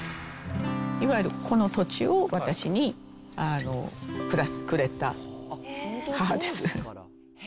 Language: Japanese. いわゆるこの土地を私にくれた、母です。